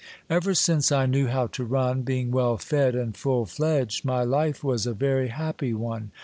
Ever since I knew how to run, being well fed and full fledged, my life was a very happy one.